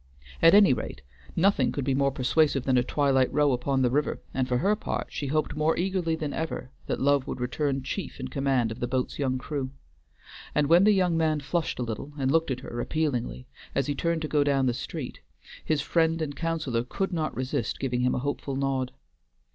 At any rate nothing could be more persuasive than a twilight row upon the river, and for her part, she hoped more eagerly than ever that Love would return chief in command of the boat's young crew; and when the young man flushed a little, and looked at her appealingly, as he turned to go down the street, his friend and counselor could not resist giving him a hopeful nod.